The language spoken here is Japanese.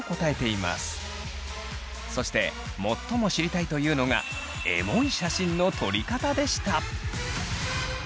そして最も知りたいというのがエモい写真の撮り方でした。